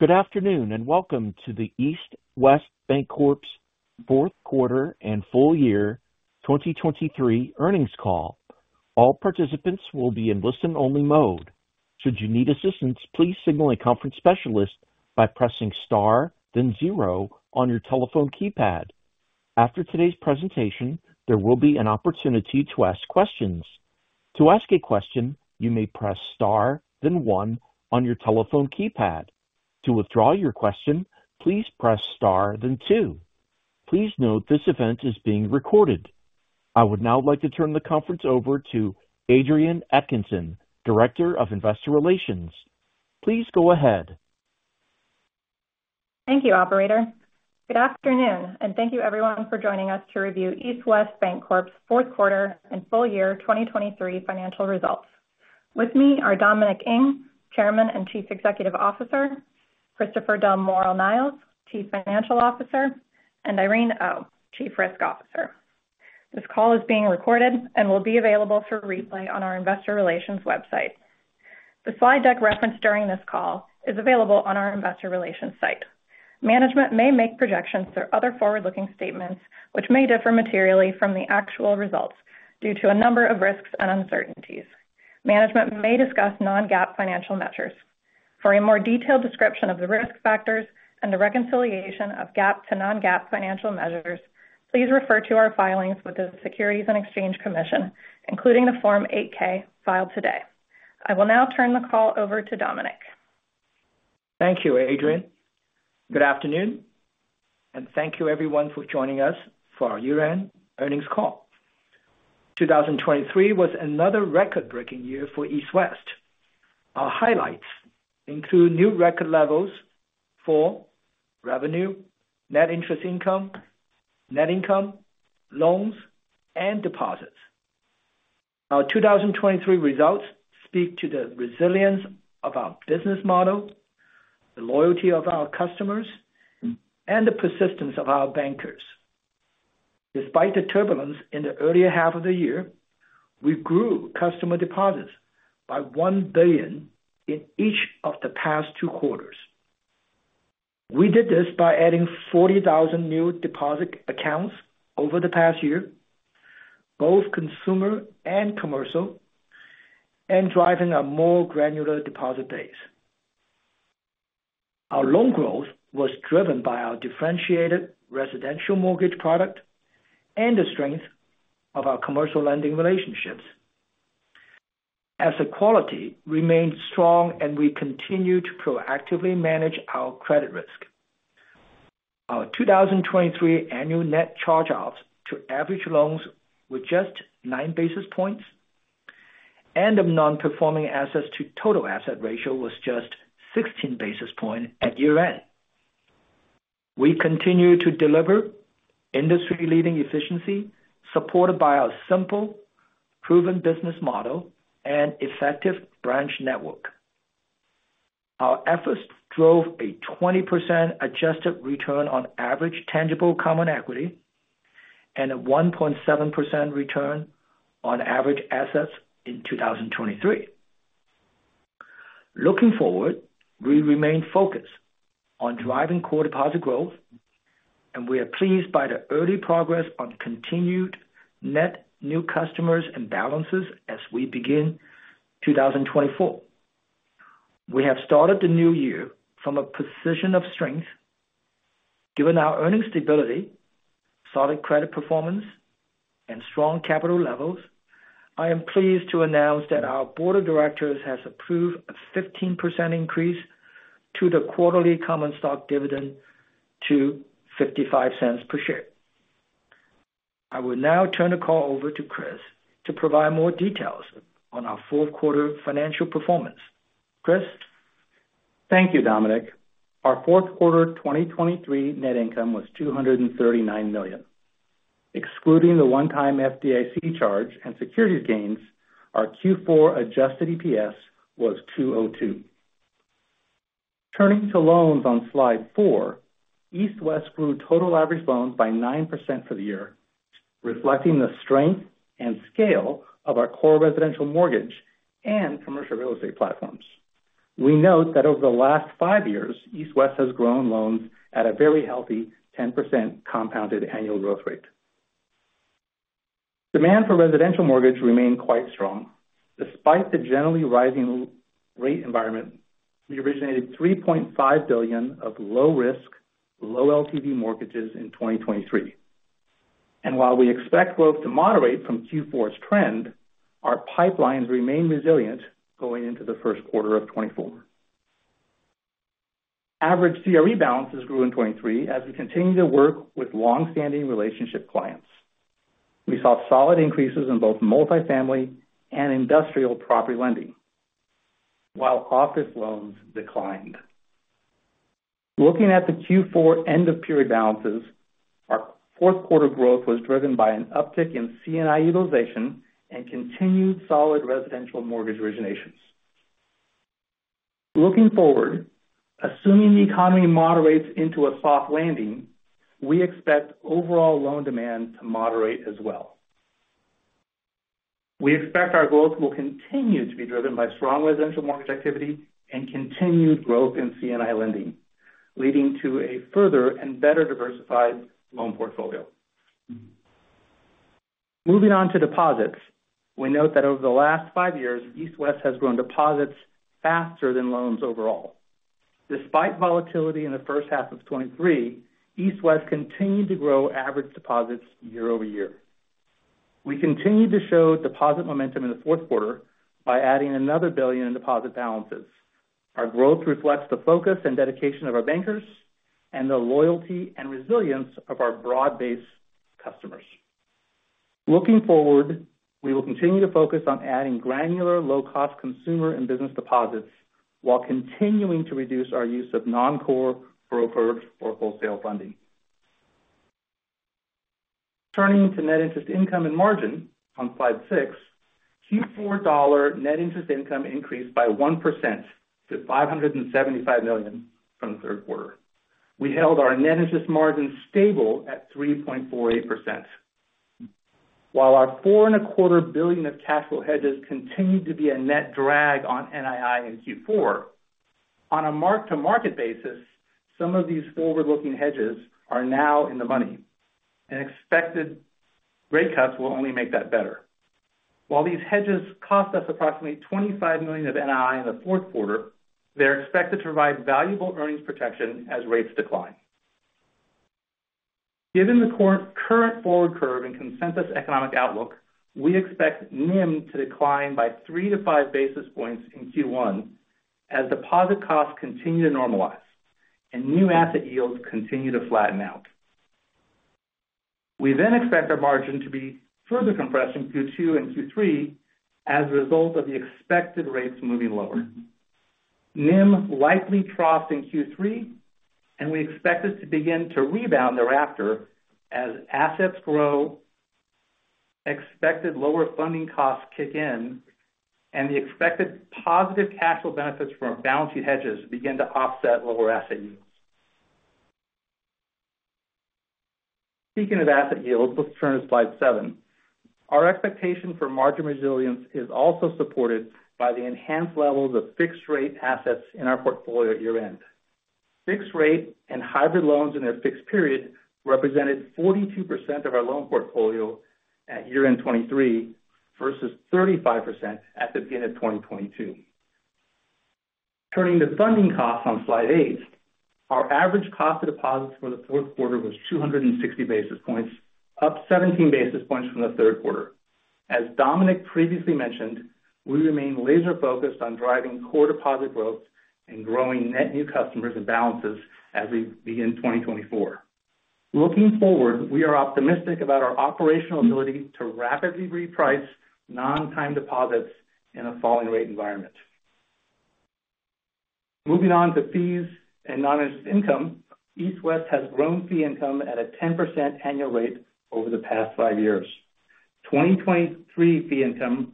Good afternoon, and welcome to the East West Bancorp's Fourth Quarter and Full Year 2023 earnings call. All participants will be in listen-only mode. Should you need assistance, please signal a conference specialist by pressing star, then zero on your telephone keypad. After today's presentation, there will be an opportunity to ask questions. To ask a question, you may press star, then one on your telephone keypad. To withdraw your question, please press Star, then two. Please note, this event is being recorded. I would now like to turn the conference over to Adrienne Atkinson, Director of Investor Relations. Please go ahead. Thank you, operator. Good afternoon, and thank you everyone for joining us to review East West Bancorp's fourth quarter and full year 2023 financial results. With me are Dominic Ng, Chairman and Chief Executive Officer, Christopher Del Moral-Niles, Chief Financial Officer, and Irene Oh, Chief Risk Officer. This call is being recorded and will be available for replay on our investor relations website. The slide deck referenced during this call is available on our investor relations site. Management may make projections or other forward-looking statements which may differ materially from the actual results due to a number of risks and uncertainties. Management may discuss non-GAAP financial measures. For a more detailed description of the risk factors and the reconciliation of GAAP to non-GAAP financial measures, please refer to our filings with the Securities and Exchange Commission, including the Form 8-K filed today. I will now turn the call over to Dominic. Thank you, Adrienne. Good afternoon, and thank you everyone for joining us for our year-end earnings call. 2023 was another record-breaking year for East West. Our highlights include new record levels for revenue, net interest income, net income, loans, and deposits. Our 2023 results speak to the resilience of our business model, the loyalty of our customers, and the persistence of our bankers. Despite the turbulence in the earlier half of the year, we grew customer deposits by $1 billion in each of the past two quarters. We did this by adding 40,000 new deposit accounts over the past year, both consumer and commercial, and driving a more granular deposit base. Our loan growth was driven by our differentiated residential mortgage product and the strength of our commercial lending relationships. Asset quality remained strong, and we continued to proactively manage our credit risk. Our 2023 annual net charge-offs to average loans were just 9 basis points, and the non-performing assets to total asset ratio was just 16 basis points at year-end. We continue to deliver industry-leading efficiency, supported by our simple, proven business model and effective branch network. Our efforts drove a 20% adjusted return on average tangible common equity and a 1.7% return on average assets in 2023. Looking forward, we remain focused on driving core deposit growth, and we are pleased by the early progress on continued net new customers and balances as we begin 2024. We have started the new year from a position of strength. Given our earnings stability, solid credit performance, and strong capital levels, I am pleased to announce that our board of directors has approved a 15% increase to the quarterly common stock dividend to $0.55 per share. I will now turn the call over to Chris to provide more details on our fourth quarter financial performance. Chris? Thank you, Dominic. Our fourth quarter 2023 net income was $239 million. Excluding the one-time FDIC charge and securities gains, our Q4 adjusted EPS was $2.02. Turning to loans on slide four, East West grew total average loans by 9% for the year, reflecting the strength and scale of our core residential mortgage and commercial real estate platforms. We note that over the last five years, East West has grown loans at a very healthy 10% compounded annual growth rate. Demand for residential mortgage remained quite strong. Despite the generally rising rate environment, we originated $3.5 billion of low-risk, low LTV mortgages in 2023. And while we expect growth to moderate from Q4's trend, our pipelines remain resilient going into the first quarter of 2024. Average CRE balances grew in 2023 as we continued to work with long-standing relationship clients. We saw solid increases in both multifamily and industrial property lending, while office loans declined. Looking at the Q4 end-of-period balances, our fourth quarter growth was driven by an uptick in C&I utilization and continued solid residential mortgage originations. Looking forward, assuming the economy moderates into a soft landing, we expect overall loan demand to moderate as well. We expect our growth will continue to be driven by strong residential mortgage activity and continued growth in C&I lending, leading to a further and better diversified loan portfolio. Moving on to deposits. We note that over the last five years, East West has grown deposits faster than loans overall. Despite volatility in the first half of 2023, East West continued to grow average deposits year-over-year. We continued to show deposit momentum in the fourth quarter by adding another $1 billion in deposit balances. Our growth reflects the focus and dedication of our bankers and the loyalty and resilience of our broad-based customers. Looking forward, we will continue to focus on adding granular, low-cost consumer and business deposits while continuing to reduce our use of non-core brokers or wholesale funding. Turning to net interest income and margin on slide six, Q4 dollar net interest income increased by 1% to $575 million from the third quarter. We held our net interest margin stable at 3.48%. While our $4.25 billion of cash flow hedges continued to be a net drag on NII in Q4, on a mark-to-market basis, some of these forward-looking hedges are now in the money, and expected rate cuts will only make that better. While these hedges cost us approximately $25 million of NII in the fourth quarter, they are expected to provide valuable earnings protection as rates decline. Given the current forward curve and consensus economic outlook, we expect NIM to decline by three to five basis points in Q1 as deposit costs continue to normalize and new asset yields continue to flatten out. We then expect our margin to be further compressed in Q2 and Q3 as a result of the expected rates moving lower. NIM likely troughed in Q3, and we expect it to begin to rebound thereafter as assets grow, expected lower funding costs kick in, and the expected positive cash flow benefits from our balanced hedges begin to offset lower asset yields. Speaking of asset yields, let's turn to slide seven. Our expectation for margin resilience is also supported by the enhanced levels of fixed-rate assets in our portfolio at year-end. Fixed-rate and hybrid loans in their fixed period represented 42% of our loan portfolio at year-end 2023 versus 35% at the beginning of 2022. Turning to funding costs on slide eight, our average cost of deposits for the fourth quarter was 260 basis points, up 17 basis points from the third quarter. As Dominic previously mentioned, we remain laser-focused on driving core deposit growth and growing net new customers and balances as we begin 2024. Looking forward, we are optimistic about our operational ability to rapidly reprice non-time deposits in a falling rate environment. Moving on to fees and non-interest income, East West has grown fee income at a 10% annual rate over the past five years. 2023 fee income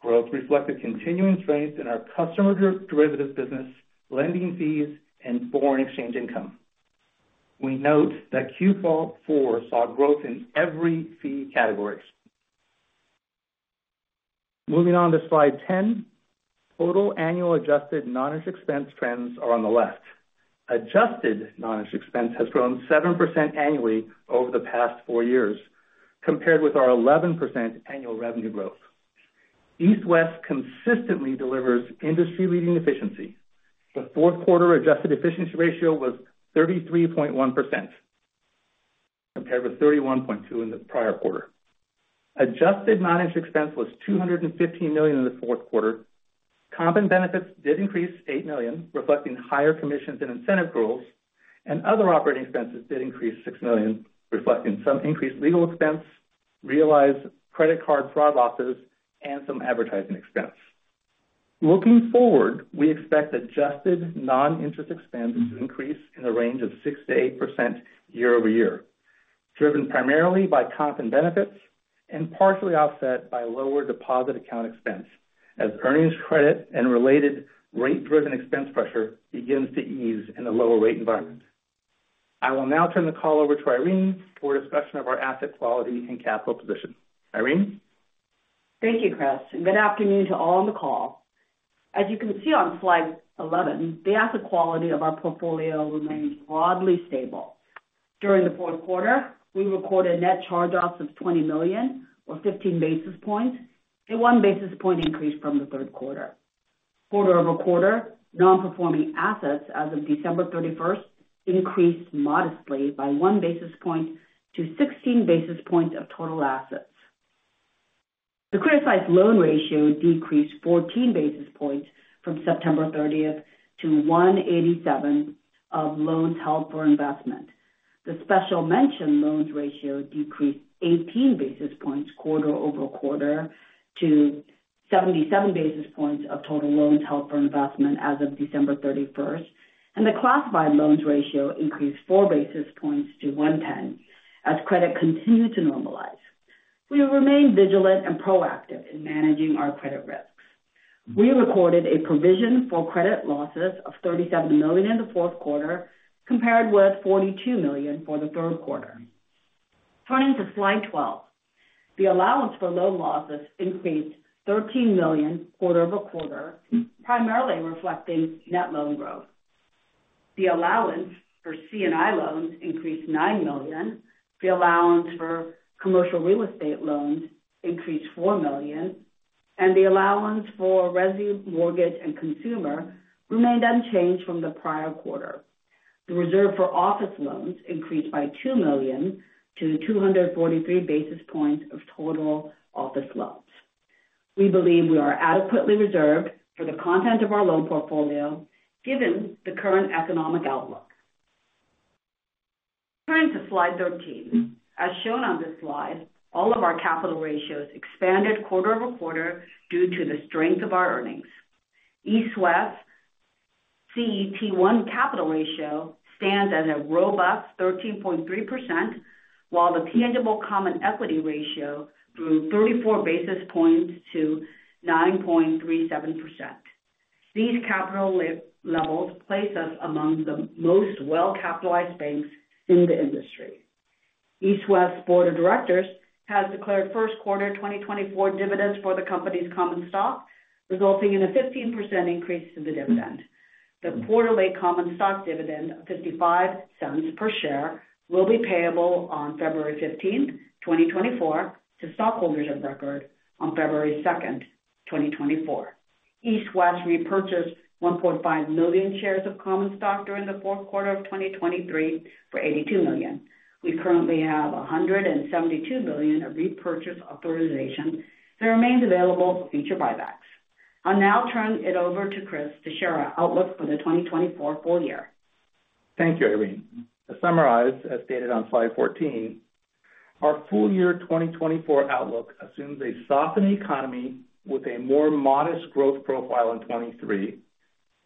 growth reflected continuing strength in our customer derivatives business, lending fees, and foreign exchange income. We note that Q4 saw growth in every fee category. Moving on to slide 10. Total annual adjusted non-interest expense trends are on the left. Adjusted non-interest expense has grown 7% annually over the past four years, compared with our 11% annual revenue growth. East West consistently delivers industry-leading efficiency. The fourth quarter adjusted efficiency ratio was 33.1%, compared with 31.2% in the prior quarter. Adjusted non-interest expense was $215 million in the fourth quarter. Comp and benefits did increase $8 million, reflecting higher commissions and incentive accruals, and other operating expenses did increase $6 million, reflecting some increased legal expense, realized credit card fraud losses, and some advertising expense. Looking forward, we expect adjusted non-interest expenses to increase in the range of 6%-8% year-over-year, driven primarily by comp and benefits, and partially offset by lower deposit account expense, as earnings credit and related rate-driven expense pressure begins to ease in a lower rate environment. I will now turn the call over to Irene for a discussion of our asset quality and capital position. Irene? Thank you, Chris, and good afternoon to all on the call. As you can see on slide 11, the asset quality of our portfolio remains broadly stable. During the fourth quarter, we recorded net charge-offs of $20 million, or 15 basis points, a 1 basis point increase from the third quarter. Quarter-over-quarter, non-performing assets as of December 31st increased modestly by one basis point to 16 basis points of total assets. The criticized loan ratio decreased 14 basis points from September 30 to 187 basis points of loans held for investment. The special mention loans ratio decreased 18 basis points quarter-over-quarter to 77 basis points of total loans held for investment as of December 31st, and the classified loans ratio increased 4 basis points to 110 basis points as credit continued to normalize. We remain vigilant and proactive in managing our credit risks. We recorded a provision for credit losses of $37 million in the fourth quarter, compared with $42 million for the third quarter. Turning to Slide 12. The allowance for loan losses increased $13 million quarter-over-quarter, primarily reflecting net loan growth. The allowance for C&I loans increased $9 million, the allowance for commercial real estate loans increased $4 million, and the allowance for resi mortgage and consumer remained unchanged from the prior quarter. The reserve for office loans increased by $2 million to 243 basis points of total office loans. We believe we are adequately reserved for the content of our loan portfolio, given the current economic outlook. Turning to Slide 13. As shown on this slide, all of our capital ratios expanded quarter-over-quarter due to the strength of our earnings. East West CET1 capital ratio stands at a robust 13.3%, while the tangible common equity ratio grew 34 basis points to 9.37%. These capital levels place us among the most well-capitalized banks in the industry. East West Board of Directors has declared first quarter 2024 dividends for the company's common stock, resulting in a 15% increase to the dividend. The quarterly common stock dividend of $0.55 per share will be payable on February 15th, 2024, to stockholders of record on February 2nd, 2024. East West repurchased 1.5 million shares of common stock during the fourth quarter of 2023 for $82 million. We currently have $172 million of repurchase authorization that remains available for future buybacks. I'll now turn it over to Chris to share our outlook for the 2024 full year. Thank you, Irene. To summarize, as stated on Slide 14, our full year 2024 outlook assumes a softening economy with a more modest growth profile in 2023,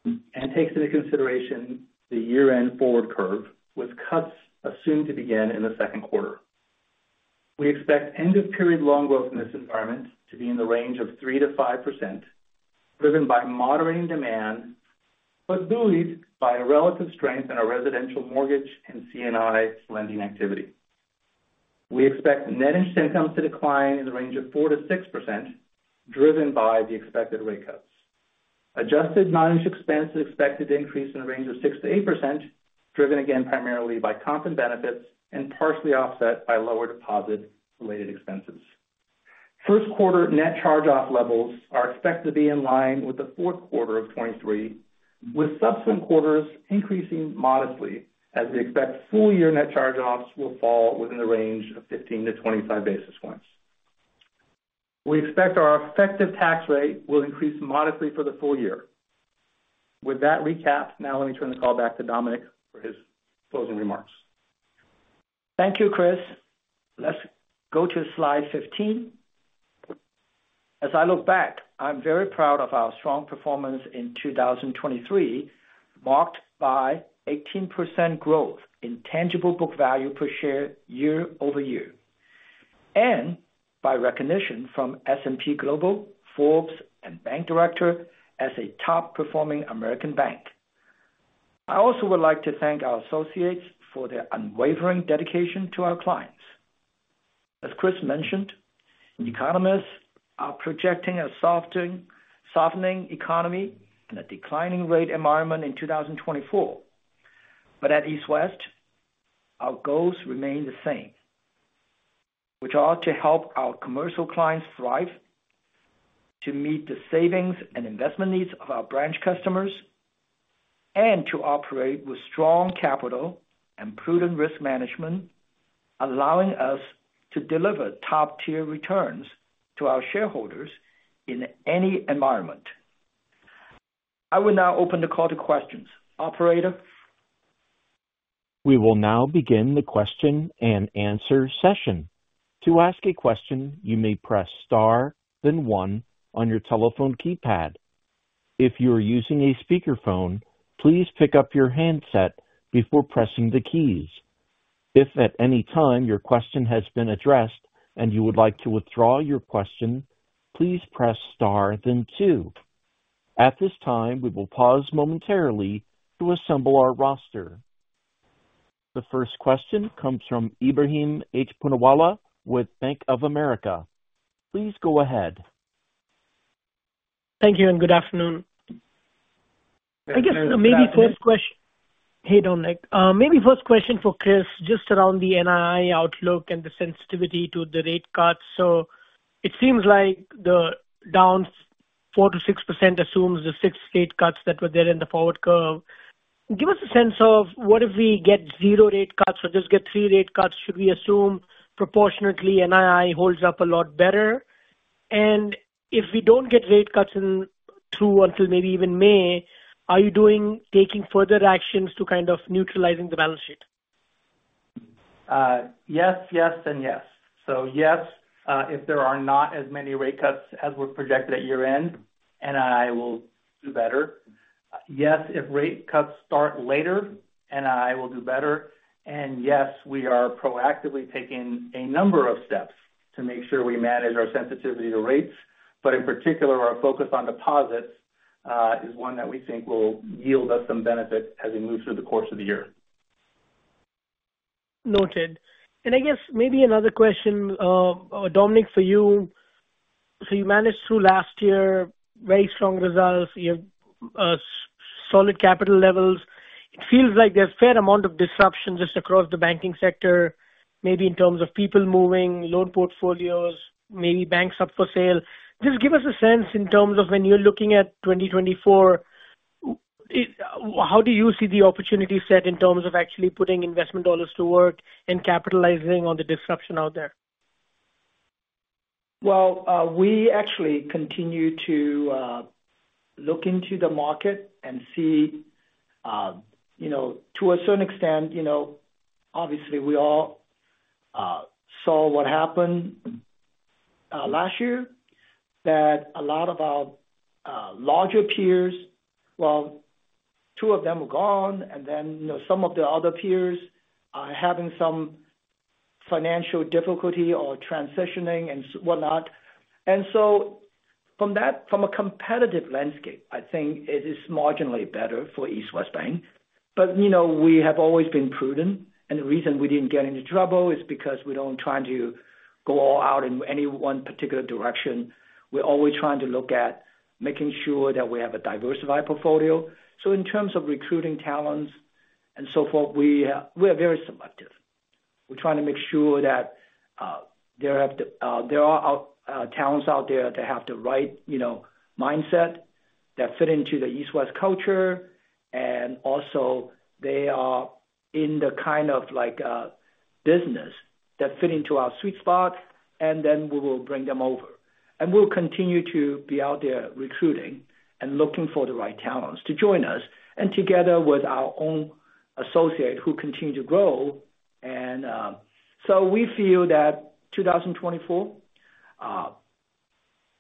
and takes into consideration the year-end forward curve, with cuts assumed to begin in the second quarter. We expect end-of-period loan growth in this environment to be in the range of 3%-5%, driven by moderating demand, but boosted by a relative strength in our residential mortgage and C&I lending activity. We expect net interest income to decline in the range of 4%-6%, driven by the expected rate cuts. Adjusted non-interest expense is expected to increase in the range of 6%-8%, driven again primarily by comp and benefits, and partially offset by lower deposit-related expenses. First quarter net charge-off levels are expected to be in line with the fourth quarter of 2023, with subsequent quarters increasing modestly as we expect full year net charge-offs will fall within the range of 15-25 basis points. We expect our effective tax rate will increase modestly for the full year. With that recap, now let me turn the call back to Dominic for his closing remarks. Thank you, Chris. Let's go to slide 15. As I look back, I'm very proud of our strong performance in 2023, marked by 18% growth in tangible book value per share year-over-year, and by recognition from S&P Global, Forbes and Bank Director as a top-performing American bank. I also would like to thank our associates for their unwavering dedication to our clients. As Chris mentioned, economists are projecting a softening economy and a declining rate environment in 2024. But at East West, our goals remain the same, which are to help our commercial clients thrive, to meet the savings and investment needs of our branch customers, and to operate with strong capital and prudent risk management, allowing us to deliver top-tier returns to our shareholders in any environment. I will now open the call to questions. Operator? We will now begin the question-and-answer session. To ask a question, you may press star, then one on your telephone keypad. If you are using a speakerphone, please pick up your handset before pressing the keys. If at any time your question has been addressed and you would like to withdraw your question, please press star then two. At this time, we will pause momentarily to assemble our roster. The first question comes from Ebrahim H. Poonawala with Bank of America. Please go ahead. Thank you, and good afternoon. I guess maybe first question. Hey, Dominic. Maybe first question for Chris, just around the NII outlook and the sensitivity to the rate cuts. So it seems like the down 4%-6% assumes the six rate cuts that were there in the forward curve. Give us a sense of what if we get zero rate cuts or just get three rate cuts? Should we assume proportionately NII holds up a lot better? And if we don't get rate cuts in through until maybe even May, are you taking further actions to kind of neutralizing the balance sheet? Yes, yes and yes. So yes, if there are not as many rate cuts as were projected at year-end, NII will do better. Yes, if rate cuts start later and I will do better, and yes, we are proactively taking a number of steps to make sure we manage our sensitivity to rates. But in particular, our focus on deposits is one that we think will yield us some benefit as we move through the course of the year. Noted. And I guess maybe another question, Dominic, for you. So you managed through last year, very strong results. You have solid capital levels. It feels like there's a fair amount of disruption just across the banking sector, maybe in terms of people moving, loan portfolios, maybe banks up for sale. Just give us a sense in terms of when you're looking at 2024, how do you see the opportunity set in terms of actually putting investment dollars to work and capitalizing on the disruption out there? Well, we actually continue to look into the market and see, you know, to a certain extent, you know, obviously we all saw what happened last year, that a lot of our larger peers, well, two of them are gone, and then, you know, some of the other peers are having some financial difficulty or transitioning and whatnot. So from that, from a competitive landscape, I think it is marginally better for East West Bank. But, you know, we have always been prudent, and the reason we didn't get into trouble is because we don't try to go all out in any one particular direction. We're always trying to look at making sure that we have a diversified portfolio. So in terms of recruiting talents and so forth, we, we are very selective. We're trying to make sure that there are talents out there that have the right, you know, mindset, that fit into the East West culture, and also they are in the kind of like business that fit into our sweet spot, and then we will bring them over. We'll continue to be out there recruiting and looking for the right talents to join us and together with our own associate, who continue to grow. So we feel that 2024,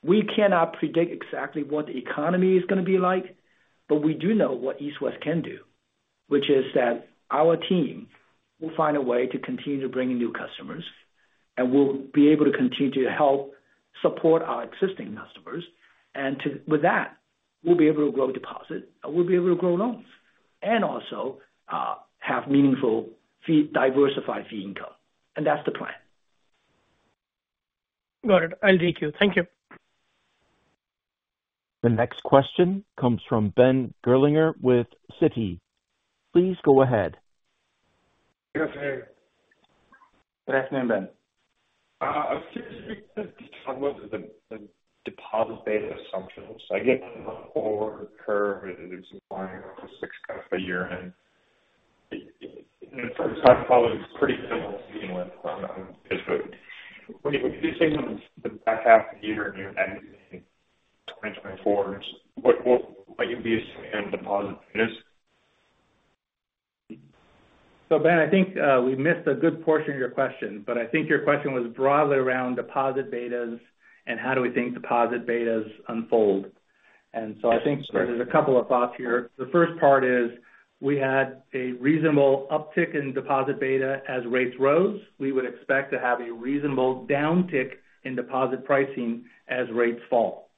we cannot predict exactly what the economy is gonna be like, but we do know what East West can do, which is that our team will find a way to continue to bring in new customers, and we'll be able to continue to help support our existing customers. With that, we'll be able to grow deposit and we'll be able to grow loans and also have meaningful fee, diversified fee income. And that's the plan. Got it. I'll take you. Thank you. The next question comes from Ben Gerlinger with Citi. Please go ahead. Good afternoon. Good afternoon, Ben. I was just speaking to the deposit beta assumptions. I get the forward curve, and it's flying off six cuts a year, and it's pretty similar to dealing with. What do you think in the back half of the year and year ending 2024, what might you be seeing in deposit business? So Ben, I think we missed a good portion of your question, but I think your question was broadly around deposit betas and how do we think deposit betas unfold. Yes. So I think there's a couple of thoughts here. The first part is, we had a reasonable uptick in deposit beta as rates rose. We would expect to have a reasonable downtick in deposit pricing as rates fall.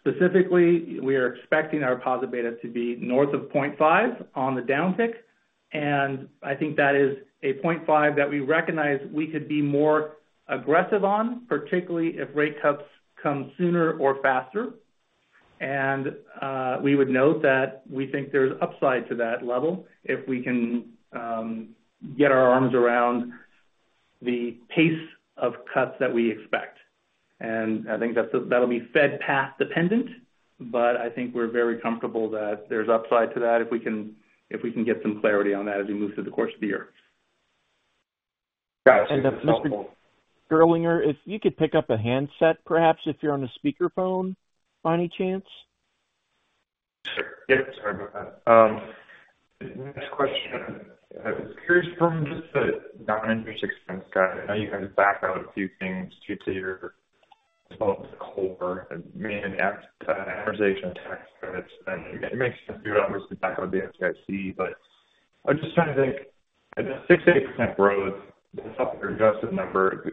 Specifically, we are expecting our deposit beta to be north of 0.5 on the downtick, and I think that is a 0.5 that we recognize we could be more aggressive on, particularly if rate cuts come sooner or faster. And we would note that we think there's upside to that level if we can get our arms around the pace of cuts that we expect. And I think that's, that'll be Fed path dependent, but I think we're very comfortable that there's upside to that if we can get some clarity on that as we move through the course of the year. Got it. Mr. Gerlinger, if you could pick up a handset, perhaps, if you're on a speakerphone, by any chance? Sure. Yeah, sorry about that. Next question. I was curious from just a non-interest expense guy. I know you guys back out a few things to, to your core, and maybe an amortization tax credits. It makes sense to obviously back out the FDIC, but I'm just trying to think, at the 68% growth, the adjusted number,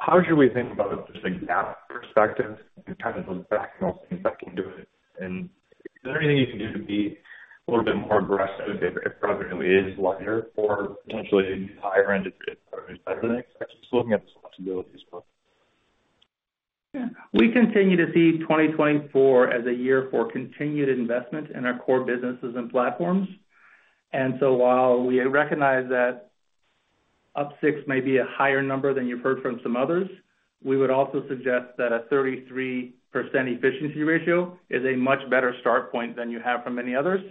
how should we think about just a GAAP perspective and kind of those back-end things that can do it? And is there anything you can do to be a little bit more aggressive if, if revenue is lighter or potentially higher end is better than expected? Just looking at the possibilities. Yeah. We continue to see 2024 as a year for continued investment in our core businesses and platforms. And so while we recognize that up six may be a higher number than you've heard from some others, we would also suggest that a 33% efficiency ratio is a much better start point than you have from many others.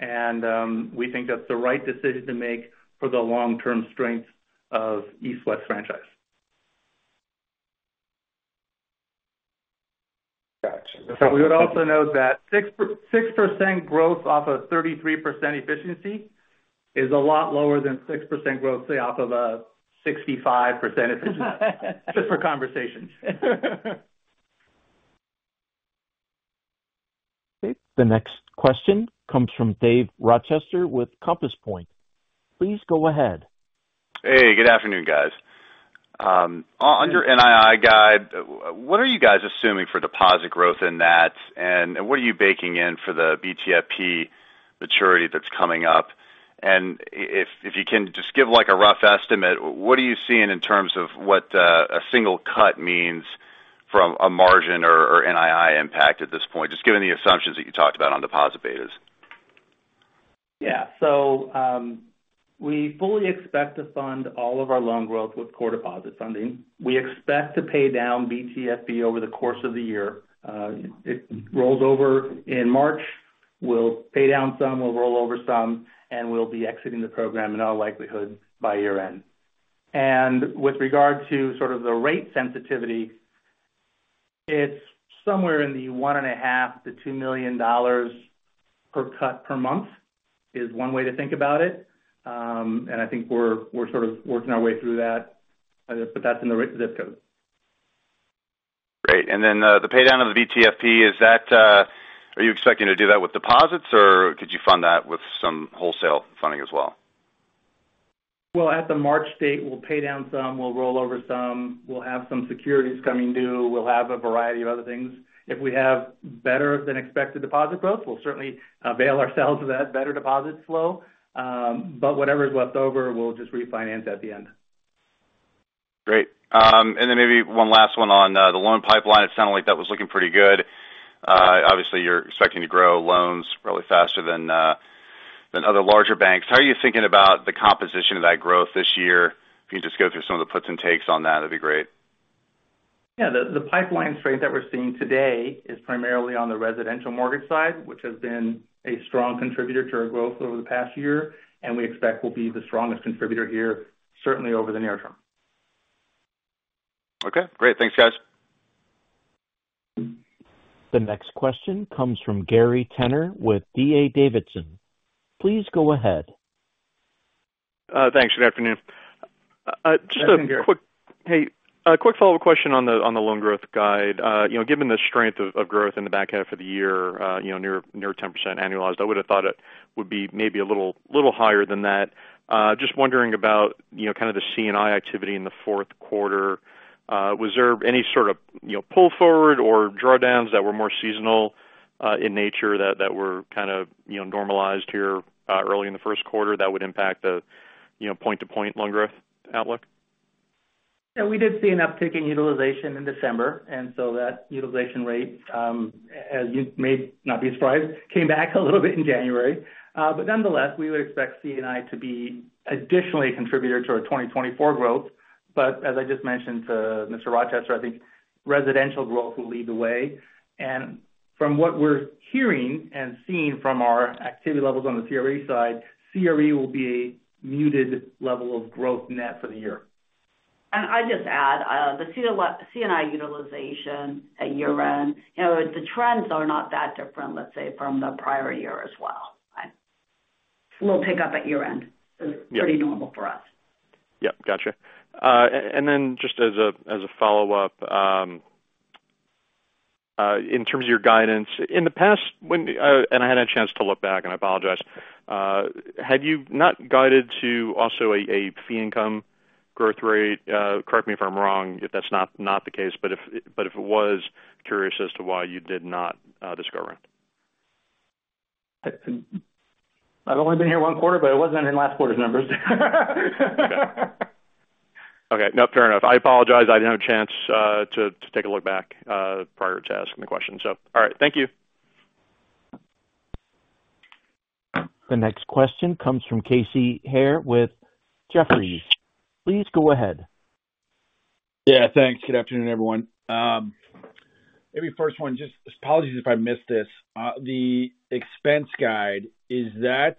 And we think that's the right decision to make for the long-term strength of East West franchise. Gotcha. We would also note that 6.6% growth off of 33% efficiency is a lot lower than 6% growth, say, off of a 65%. Just for conversation. Okay, the next question comes from Dave Rochester with Compass Point. Please go ahead. Hey, good afternoon, guys. On your NII guide, what are you guys assuming for deposit growth in that? And what are you baking in for the BTFP maturity that's coming up? And if you can just give, like, a rough estimate, what are you seeing in terms of what a single cut means from a margin or NII impact at this point, just given the assumptions that you talked about on deposit betas? Yeah. So, we fully expect to fund all of our loan growth with core deposit funding. We expect to pay down BTFP over the course of the year. It rolls over in March. We'll pay down some, we'll roll over some, and we'll be exiting the program in all likelihood by year-end. And with regard to sort of the rate sensitivity, it's somewhere in the $1.5 million-$2 million per cut per month, is one way to think about it. And I think we're, we're sort of working our way through that, but that's in the zip code. Great. And then, the pay down of the BTFP, are you expecting to do that with deposits, or could you fund that with some wholesale funding as well? Well, at the March date, we'll pay down some, we'll roll over some, we'll have some securities coming due, we'll have a variety of other things. If we have better than expected deposit growth, we'll certainly avail ourselves of that better deposit flow. But whatever's left over, we'll just refinance at the end. Great. And then maybe one last one on the loan pipeline. It sounded like that was looking pretty good. Obviously, you're expecting to grow loans really faster than other larger banks. How are you thinking about the composition of that growth this year? If you can just go through some of the puts and takes on that, that'd be great. Yeah. The pipeline strength that we're seeing today is primarily on the residential mortgage side, which has been a strong contributor to our growth over the past year, and we expect will be the strongest contributor here, certainly over the near term. Okay, great. Thanks, guys. The next question comes from Gary Tenner with D.A. Davidson. Please go ahead. Thanks. Good afternoon. Just a quick- Hi, Gary. Hey, a quick follow-up question on the loan growth guide. You know, given the strength of growth in the back half of the year, you know, near 10% annualized, I would have thought it would be maybe a little higher than that. Just wondering about, you know, kind of the C&I activity in the fourth quarter. Was there any sort of, you know, pull forward or drawdowns that were more seasonal in nature that were kind of, you know, normalized here early in the first quarter that would impact the point-to-point loan growth outlook? Yeah, we did see an uptick in utilization in December, and so that utilization rate, as you may not be surprised, came back a little bit in January. But nonetheless, we would expect C&I to be additionally a contributor to our 2024 growth. But as I just mentioned to Mr. Rochester, I think residential growth will lead the way. From what we're hearing and seeing from our activity levels on the CRE side, CRE will be a muted level of growth net for the year. I'd just add, the C&I utilization at year-end, you know, the trends are not that different, let's say, from the prior year as well. Right. A little pick up at year-end. Yeah. It's pretty normal for us. Yep, gotcha. And then just as a follow-up, in terms of your guidance, in the past, and I had a chance to look back and I apologize. Had you not guided to also a fee income growth rate? Correct me if I'm wrong, if that's not the case, but if it was, curious as to why you did not discover it. I've only been here one quarter, but it wasn't in last quarter's numbers. Okay. Okay, no, fair enough. I apologize. I didn't have a chance to take a look back prior to asking the question. So all right. Thank you. The next question comes from Casey Haire with Jefferies. Please go ahead. Yeah, thanks. Good afternoon, everyone. Maybe first one, just apologies if I missed this. The expense guide, is that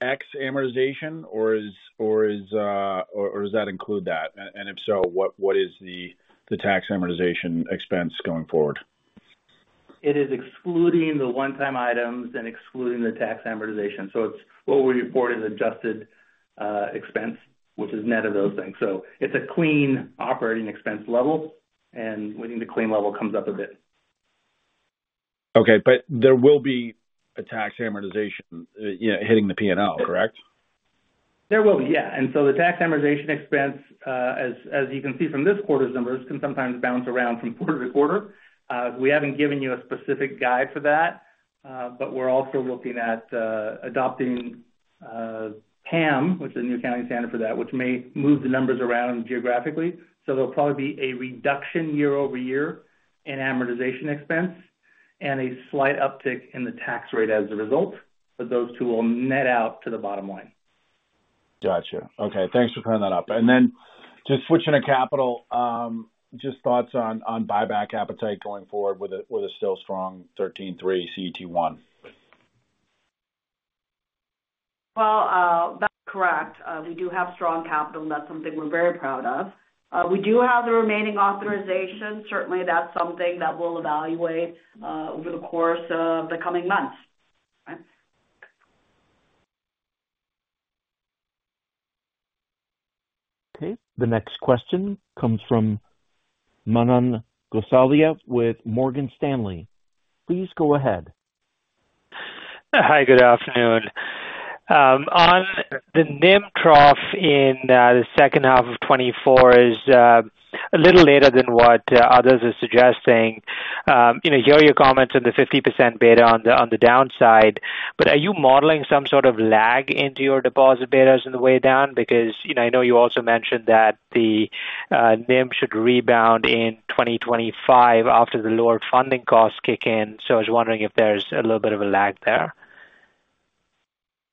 ex amortization, or does that include that? And if so, what is the tax amortization expense going forward? It is excluding the one-time items and excluding the tax amortization. So it's what we report as adjusted expense, which is net of those things. So it's a clean operating expense level, and we think the clean level comes up a bit. Okay, but there will be a tax amortization, you know, hitting the P&L, correct? There will be, yeah. And so the tax amortization expense, as you can see from this quarter's numbers, can sometimes bounce around from quarter-to-quarter. We haven't given you a specific guide for that, but we're also looking at adopting PAM, which is a new accounting standard for that, which may move the numbers around geographically. So there'll probably be a reduction year-over-year in amortization expense and a slight uptick in the tax rate as a result, but those two will net out to the bottom line. Gotcha. Okay, thanks for clearing that up. And then just switching to capital, just thoughts on buyback appetite going forward with a still strong 13.3 CET1. Well, that's correct. We do have strong capital. That's something we're very proud of. We do have the remaining authorization. Certainly, that's something that we'll evaluate over the course of the coming months. Okay. The next question comes from Manan Gosalia with Morgan Stanley. Please go ahead. Hi, good afternoon. On the NIM trough in the second half of 2024 is a little later than what others are suggesting. You know, hear your comments on the 50% beta on the downside, but are you modeling some sort of lag into your deposit betas on the way down? Because, you know, I know you also mentioned that the NIM should rebound in 2025 after the lower funding costs kick in. So I was wondering if there's a little bit of a lag there.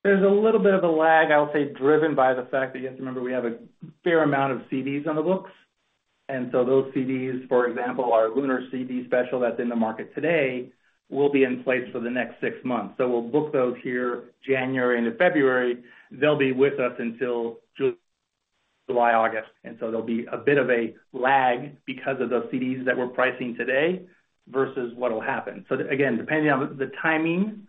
There's a little bit of a lag, I would say, driven by the fact that you have to remember, we have a fair amount of CDs on the books. And so those CDs, for example, our Lunar CD special that's in the market today, will be in place for the next six months. So we'll book those here January into February. They'll be with us until July, August. And so there'll be a bit of a lag because of those CDs that we're pricing today versus what will happen. So again, depending on the timing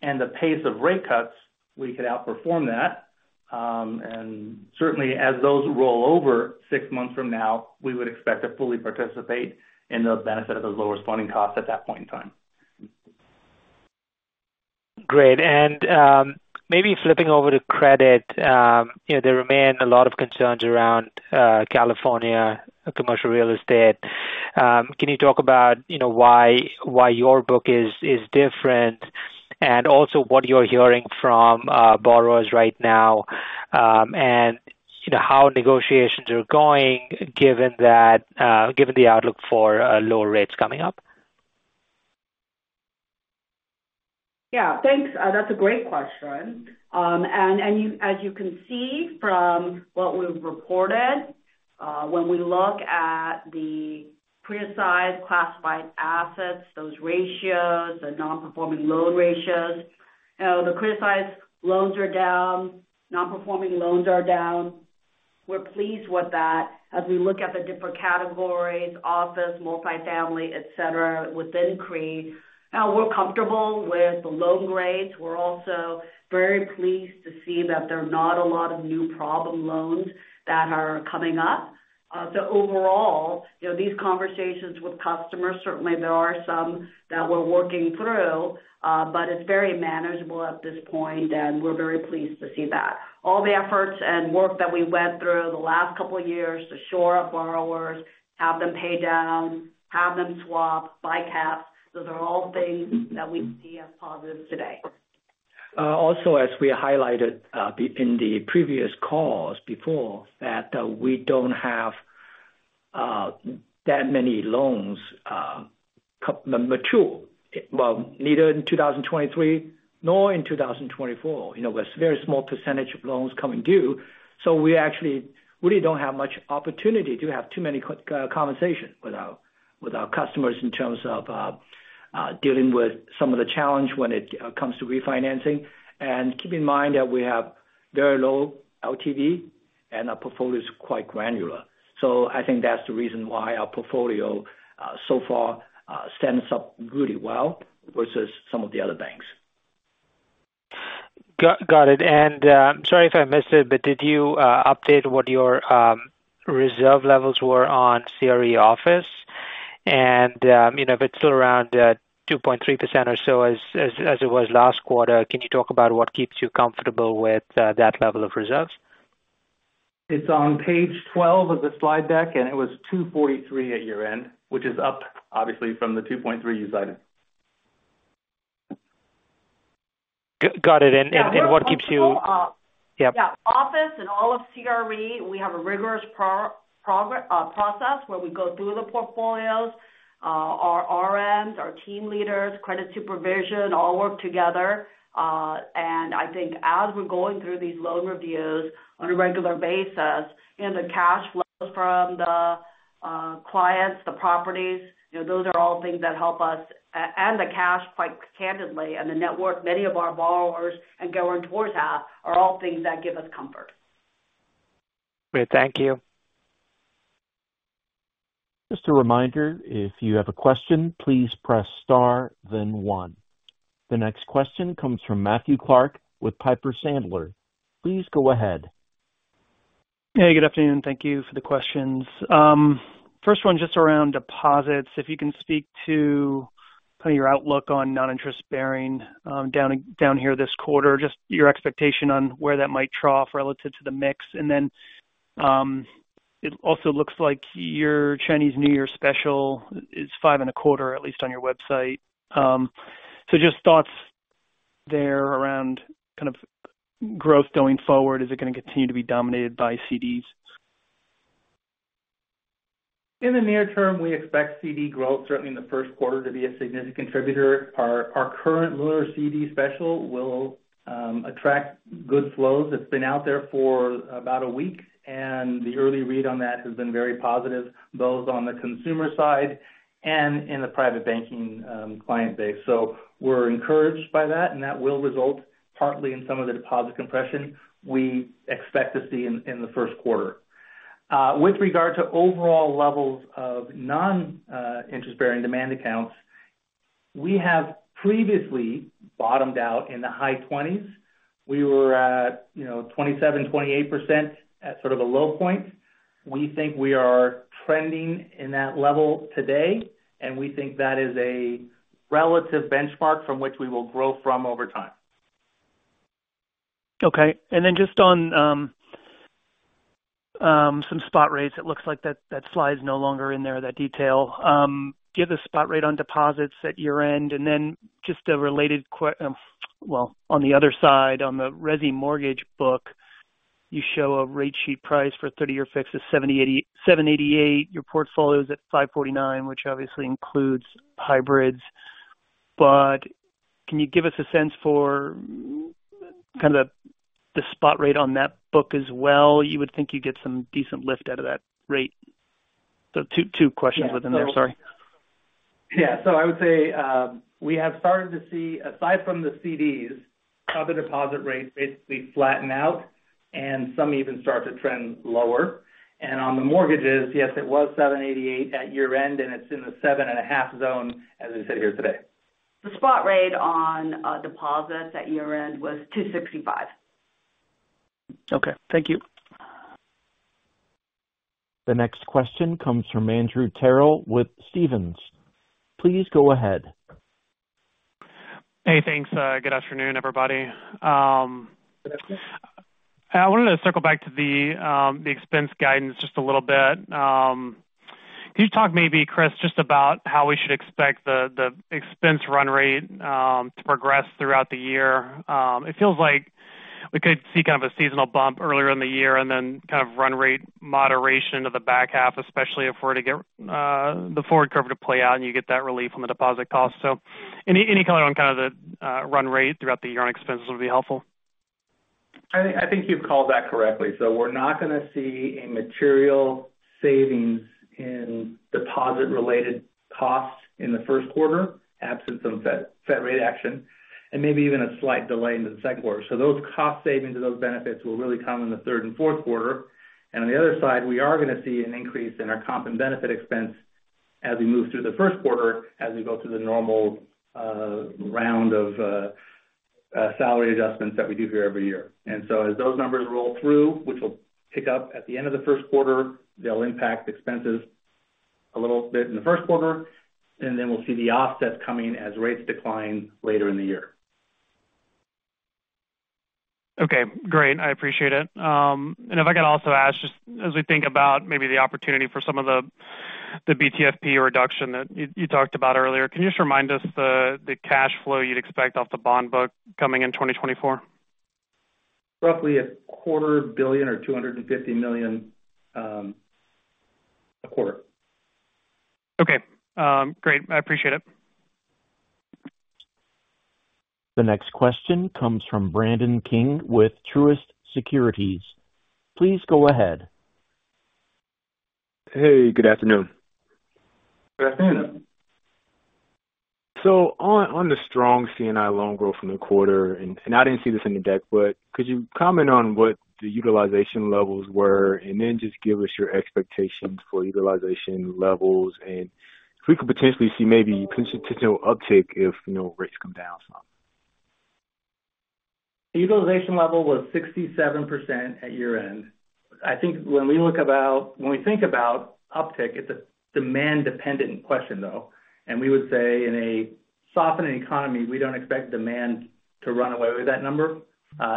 and the pace of rate cuts, we could outperform that. And certainly as those roll over six months from now, we would expect to fully participate in the benefit of those lower responding costs at that point in time. Great. Maybe flipping over to credit, you know, there remain a lot of concerns around California commercial real estate. Can you talk about you know why your book is different and also what you're hearing from borrowers right now, and you know, how negotiations are going, given that, given the outlook for lower rates coming up? Yeah, thanks. That's a great question. And as you can see from what we've reported, when we look at the criticized classified assets, those ratios, the non-performing loan ratios, you know, the criticized loans are down, non-performing loans are down. We're pleased with that. As we look at the different categories, office, multifamily, et cetera, within CRE, we're comfortable with the loan grades. We're also very pleased to see that there are not a lot of new problem loans that are coming up. So overall, you know, these conversations with customers, certainly there are some that we're working through, but it's very manageable at this point, and we're very pleased to see that. All the efforts and work that we went through the last couple of years to shore up borrowers, have them pay down, have them swap, buy caps, those are all things that we see as positive today. Also, as we highlighted in the previous calls before, that we don't have that many loans mature. Well, neither in 2023 nor in 2024. You know, with very small percentage of loans coming due. So we actually really don't have much opportunity to have too many conversations with our customers in terms of dealing with some of the challenge when it comes to refinancing. And keep in mind that we have very low LTV and our portfolio is quite granular. So I think that's the reason why our portfolio so far stands up really well versus some of the other banks. Got it. And, sorry if I missed it, but did you update what your reserve levels were on CRE office? And, you know, if it's still around 2.3% or so as it was last quarter, can you talk about what keeps you comfortable with that level of reserves? It's on page 12 of the slide deck, and it was 2.43% at year-end, which is up, obviously, from the 2.3% you cited. Got it. And what keeps you- Yeah. Yep. Office and all of CRE, we have a rigorous process where we go through the portfolios. Our RMs, our team leaders, credit supervision, all work together. And I think as we're going through these loan reviews on a regular basis, and the cash flows from the clients, the properties, you know, those are all things that help us, and the cash, quite candidly, and the networks many of our borrowers and guarantors have, are all things that give us comfort. Great. Thank you. Just a reminder, if you have a question, please press Star, then one. The next question comes from Matthew Clark with Piper Sandler. Please go ahead. Hey, good afternoon. Thank you for the questions. First one, just around deposits. If you can speak to kind of your outlook on non-interest bearing down here this quarter, just your expectation on where that might trough relative to the mix. And then, it also looks like your Chinese New Year special is 5.25%, at least on your website. So just thoughts there around kind of growth going forward. Is it going to continue to be dominated by CDs? In the near term, we expect CD growth, certainly in the first quarter, to be a significant contributor. Our current Lunar CD special will attract good flows. It's been out there for about a week, and the early read on that has been very positive, both on the consumer side and in the private banking client base. So we're encouraged by that, and that will result partly in some of the deposit compression we expect to see in the first quarter. With regard to overall levels of non-interest-bearing demand accounts, we have previously bottomed out in the high 20s. We were at, you know, 27%-28% at sort of a low point. We think we are trending in that level today, and we think that is a relative benchmark from which we will grow from over time. Okay. And then just on some spot rates, it looks like that, that slide is no longer in there, that detail. Give the spot rate on deposits at year-end, and then just a related, well, on the other side, on the resi mortgage book, you show a rate sheet price for 30-year fixed is 77.88. Your portfolio is at 5.49%, which obviously includes hybrids, but can you give us a sense for kind of the, the spot rate on that book as well? You would think you'd get some decent lift out of that rate. So two questions within there. Sorry. Yeah. So I would say, we have started to see, aside from the CDs, other deposit rates basically flatten out and some even start to trend lower. And on the mortgages, yes, it was 7.88% at year-end, and it's in the 7.5% zone, as I sit here today. The spot rate on deposits at year-end was 2.65%. Okay, thank you. The next question comes from Andrew Terrell with Stephens. Please go ahead. Hey, thanks. Good afternoon, everybody. I wanted to circle back to the expense guidance just a little bit. Can you talk maybe, Chris, just about how we should expect the expense run rate to progress throughout the year? It feels like we could see kind of a seasonal bump earlier in the year and then kind of run rate moderation to the back half, especially if we're to get the forward curve to play out and you get that relief on the deposit cost. So any color on kind of the run rate throughout the year on expenses would be helpful. I think, I think you've called that correctly. So we're not going to see a material savings in deposit-related costs in the first quarter, absence of Fed, Fed rate action, and maybe even a slight delay into the second quarter. So those cost savings or those benefits will really come in the third and fourth quarter. And on the other side, we are going to see an increase in our comp and benefit expense as we move through the first quarter, as we go through the normal round of salary adjustments that we do here every year. And so as those numbers roll through, which will pick up at the end of the first quarter, they'll impact expenses a little bit in the first quarter, and then we'll see the offset coming as rates decline later in the year. Okay, great. I appreciate it. And if I could also ask, just as we think about maybe the opportunity for some of the, the BTFP reduction that you, you talked about earlier, can you just remind us the, the cash flow you'd expect off the bond book coming in 2024? Roughly $250 million or $250 million, a quarter. Okay, great. I appreciate it. The next question comes from Brandon King with Truist Securities. Please go ahead. Hey, good afternoon. Good afternoon. So on the strong C&I loan growth from the quarter, and I didn't see this in the deck, but could you comment on what the utilization levels were, and then just give us your expectations for utilization levels, and if we could potentially see maybe potential uptake if, you know, rates come down some? Utilization level was 67% at year-end. I think when we think about uptick, it's a demand-dependent question, though, and we would say in a softening economy, we don't expect demand to run away with that number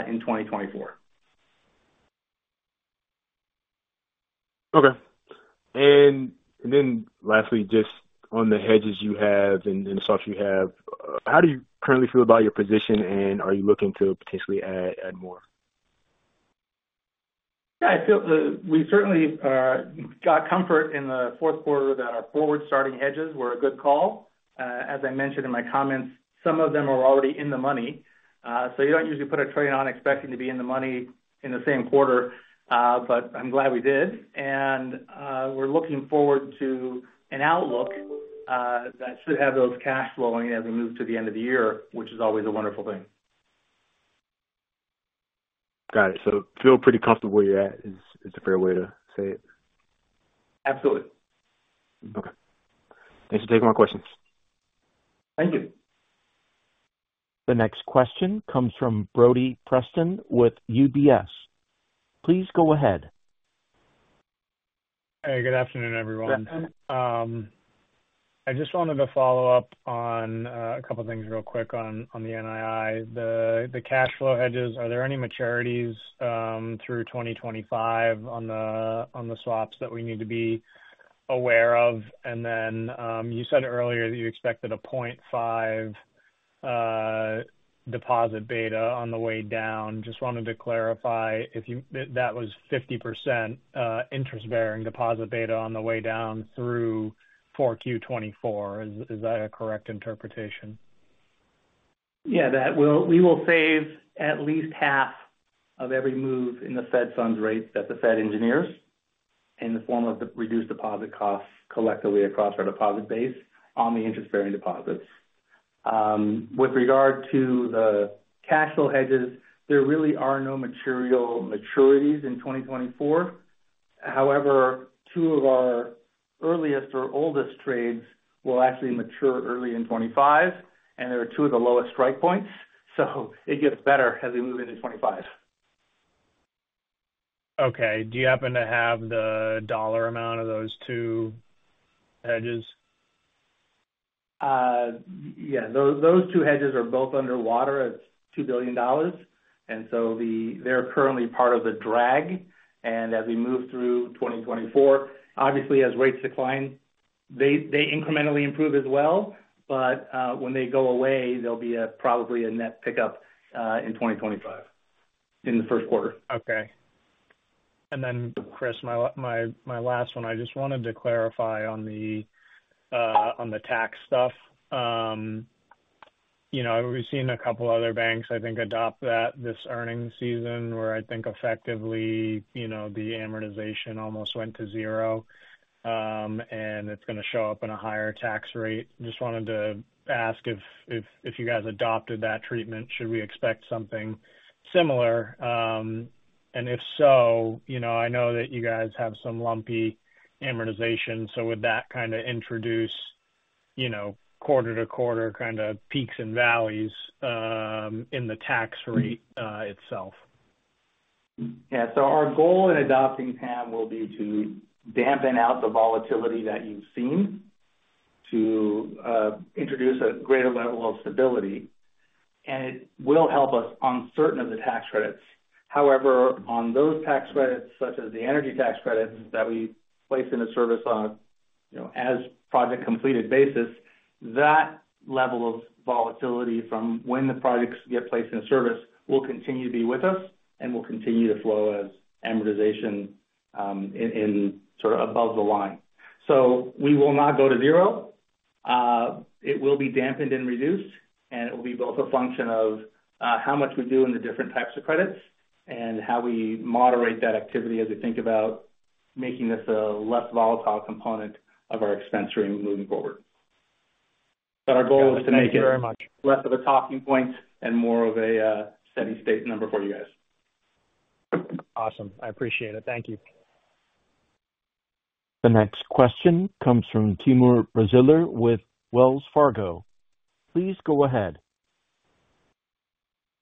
in 2024. Okay. Then lastly, just on the hedges you have and, and the stocks you have, how do you currently feel about your position, and are you looking to potentially add, add more? Yeah, I feel we certainly got comfort in the fourth quarter that our forward-starting hedges were a good call. As I mentioned in my comments, some of them are already in the money. So you don't usually put a trade on expecting to be in the money in the same quarter, but I'm glad we did. And, we're looking forward to an outlook that should have those cash flowing as we move to the end of the year, which is always a wonderful thing. Got it. So feel pretty comfortable where you're at is a fair way to say it? Absolutely. Okay. Thanks for taking my questions. Thank you. The next question comes from Brody Preston with UBS. Please go ahead. Hey, good afternoon, everyone. Good afternoon. I just wanted to follow up on a couple of things real quick on the NII. The cash flow hedges, are there any maturities through 2025 on the swaps that we need to be aware of? And then, you said earlier that you expected a 0.5 deposit beta on the way down. Just wanted to clarify if you... That was 50% interest-bearing deposit beta on the way down through 4Q 2024. Is that a correct interpretation? Yeah, we will save at least half of every move in the Fed funds rate that the Fed engineers, in the form of the reduced deposit costs collectively across our deposit base on the interest-bearing deposits. With regard to the cash flow hedges, there really are no material maturities in 2024. However, two of our earliest or oldest trades will actually mature early in 2025, and they are two of the lowest strike points, so it gets better as we move into 2025. Okay. Do you happen to have the dollar amount of those two hedges? Yeah, those two hedges are both underwater at $2 billion, and so they're currently part of the drag. And as we move through 2024, obviously as rates decline, they incrementally improve as well. But when they go away, there'll be probably a net pickup in 2025, in the first quarter. Okay. And then, Chris, my last one. I just wanted to clarify on the tax stuff. You know, we've seen a couple other banks, I think, adopt that this earnings season, where I think effectively, you know, the amortization almost went to zero, and it's gonna show up in a higher tax rate. Just wanted to ask if you guys adopted that treatment, should we expect something similar? And if so, you know, I know that you guys have some lumpy amortization, so would that kind of introduce quarter to quarter kind of peaks and valleys in the tax rate itself? Yeah. So our goal in adopting PAM will be to dampen out the volatility that you've seen to, introduce a greater level of stability, and it will help us on certain of the tax credits. However, on those tax credits, such as the energy tax credits that we place into service on, you know, as project completed basis, that level of volatility from when the projects get placed in service will continue to be with us and will continue to flow as amortization, in sort of above the line. So we will not go to zero. It will be dampened and reduced, and it will be both a function of, how much we do in the different types of credits and how we moderate that activity as we think about making this a less volatile component of our expense rate moving forward. But our goal is to make it- Thank you very much. Less of a talking point and more of a steady state number for you guys. Awesome. I appreciate it. Thank you. The next question comes from Timur Braziler with Wells Fargo. Please go ahead.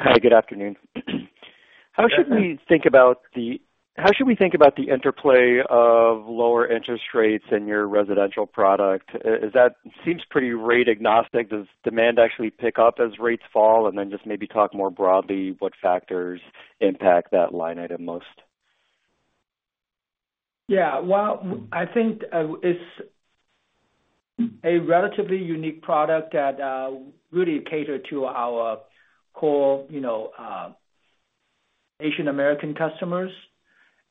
Hi, good afternoon. How should we think about the interplay of lower interest rates in your residential product? Seems pretty rate agnostic. Does demand actually pick up as rates fall? And then just maybe talk more broadly, what factors impact that line item most? Yeah, well, I think it's a relatively unique product that really caters to our core, you know, Asian American customers.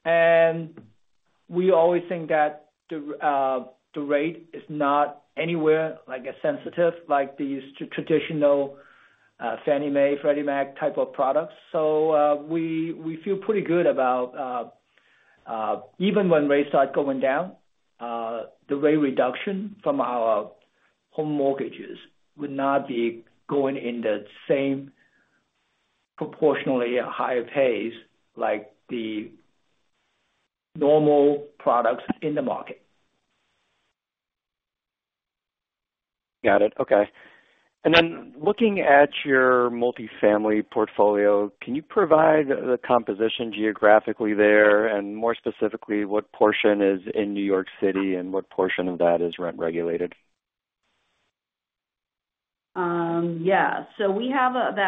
And we always think that the rate is not anywhere like as sensitive, like these traditional Fannie Mae, Freddie Mac type of products. So we feel pretty good about even when rates start going down, the rate reduction from our home mortgages would not be going in the same proportionally higher pace like the normal products in the market. Got it. Okay. And then looking at your multifamily portfolio, can you provide the composition geographically there, and more specifically, what portion is in New York City and what portion of that is rent-regulated? Yeah. So we have of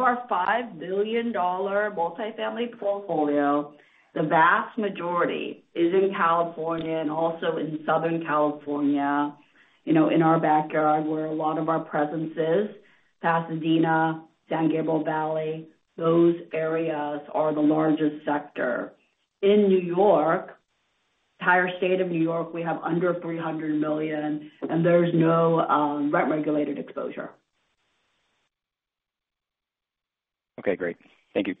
our $5 billion multifamily portfolio, the vast majority is in California and also in Southern California, you know, in our backyard, where a lot of our presence is, Pasadena, San Gabriel Valley, those areas are the largest sector. In New York, entire state of New York, we have under $300 million, and there's no rent-regulated exposure. Okay, great. Thank you.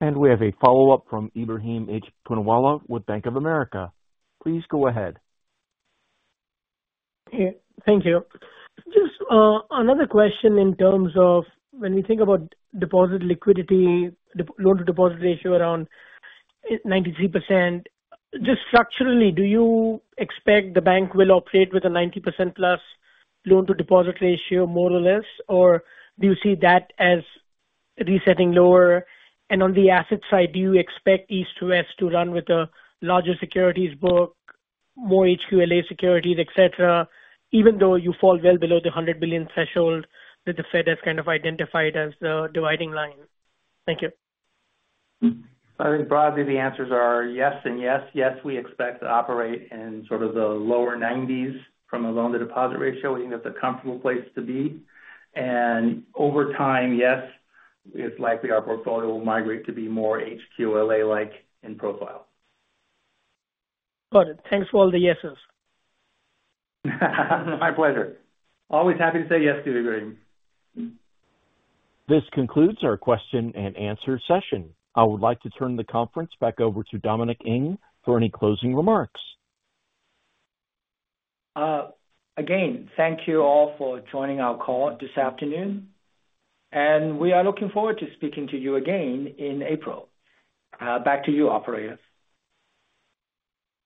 We have a follow-up from Ebrahim H. Poonawala with Bank of America. Please go ahead. Yeah, thank you. Just, another question in terms of when we think about deposit liquidity, loan to deposit ratio around 93%. Just structurally, do you expect the bank will operate with a 90%+ loan to deposit ratio, more or less? Or do you see that as resetting lower? And on the asset side, do you expect East West to run with a larger securities book, more HQLA securities, et cetera, even though you fall well below the 100 billion threshold that the Fed has kind of identified as the dividing line? Thank you. I think broadly the answers are yes and yes. Yes, we expect to operate in sort of the lower nineties from a loan-to-deposit ratio. We think that's a comfortable place to be. Over time, yes, it's likely our portfolio will migrate to be more HQLA-like in profile. Got it. Thanks for all the yeses. My pleasure. Always happy to say yes to you, Ebrahim. This concludes our question and answer session. I would like to turn the conference back over to Dominic Ng for any closing remarks. Again, thank you all for joining our call this afternoon, and we are looking forward to speaking to you again in April. Back to you, operator.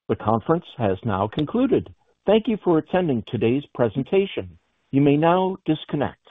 The conference has now concluded. Thank you for attending today's presentation. You may now disconnect.